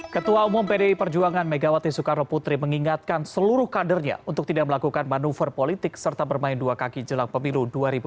ketua umum pdi perjuangan megawati soekarno putri mengingatkan seluruh kadernya untuk tidak melakukan manuver politik serta bermain dua kaki jelang pemilu dua ribu dua puluh